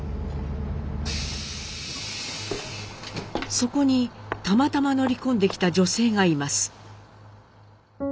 そこにたまたま乗り込んできた女性がいます。